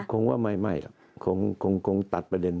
คงว่าไม่คงตัดประเด็น